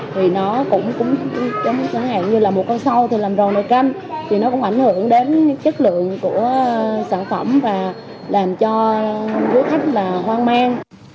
thì nó cũng giống như một con sâu làm ròn đầy canh thì nó cũng ảnh hưởng đến chất lượng của sản phẩm và làm cho du khách hoang mang